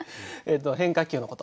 変化球のこと。